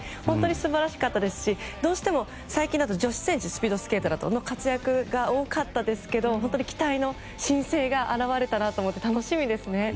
本当に素晴らしかったですしどうしても、最近だとスピードスケートは女子選手の活躍が多かったですけど本当に期待の新星が現れたなと思って楽しみですね。